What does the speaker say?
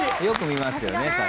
よく見ますよね